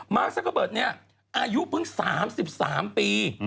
ซักเกอร์เบิร์ตนี้อายุเพิ่ง๓๓ปี